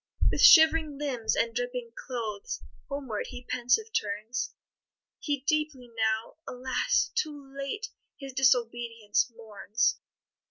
With shivering limbs and dripping clothes, Homeward he pensive turns; He deeply now, alas! too late, His disobedience mourns.